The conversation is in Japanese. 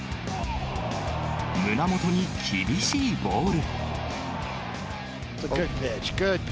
胸元に厳しいボール。